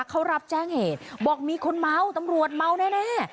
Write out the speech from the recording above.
เขารับแจ้งเหตุบอกมีคนเมาตำรวจเมาแน่